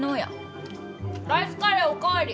ライスカレーお代わり。